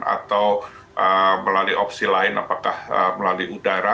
atau melalui opsi lain apakah melalui udara